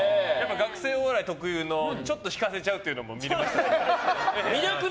学生お笑い特有のちょっと引かせちゃうというのも見れましたね。